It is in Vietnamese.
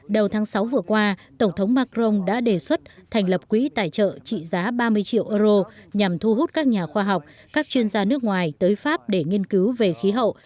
đầu tháng sáu vừa qua tổng thống macron đã đề xuất thành lập quỹ tài trợ trị giá ba mươi triệu euro nhằm thu hút các nhà khoa học các chuyên gia nước ngoài tới pháp để nghiên cứu về khí hậu